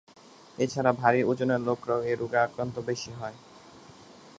এ ছাড়া ভারী ওজনের লোকেরা এ রোগে আক্রান্ত হয় বেশি।